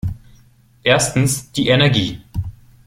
Erstens die Energie.